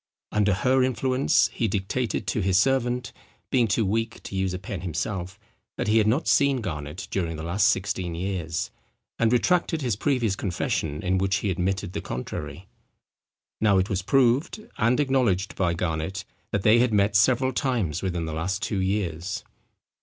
Under her influence he dictated to his servant, being too weak to use a pen himself, that he had not seen Garnet during the last sixteen years, and retracted his previous confession in which he admitted the contrary. Now it was proved, and acknowledged by Garnet, that they had met several times within the last two years.